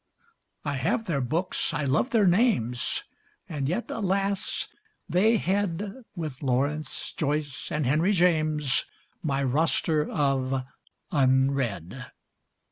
I have their books, I love their names, And yet alas! they head, With Lawrence, Joyce and Henry James, My Roster of Unread.